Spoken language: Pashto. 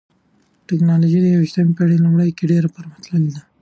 ټکنالوژي د یوویشتمې پېړۍ په لومړیو کې ډېره پرمختللې ده.